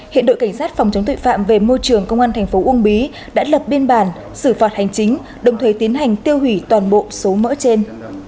hiện đội cảnh sát phòng chống tội phạm về môi trường công an thành phố uông bí đã lập biên bản xử phạt hành chính đồng thời tiến hành tiêu hủy toàn bộ số mỡ trên